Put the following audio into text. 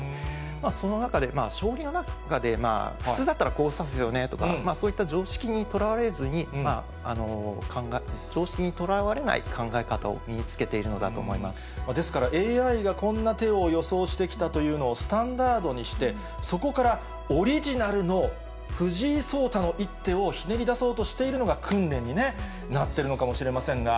その中で、将棋の中で、普通だったらこう指すよねとか、そういった常識にとらわれずに、常識にとらわれない考え方を身にですから、ＡＩがこんな手を予想してきたというのをスタンダードにして、そこからオリジナルの藤井聡太の一手をひねり出そうとしているのが訓練にね、なってるのかもしれませんが。